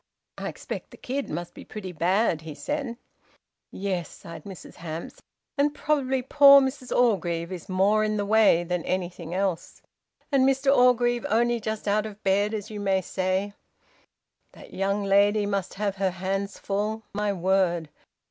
"I expect the kid must be pretty bad," he said. "Yes," sighed Mrs Hamps. "And probably poor Mrs Orgreave is more in the way than anything else. And Mr Orgreave only just out of bed, as you may say! ... That young lady must have her hands full! My word!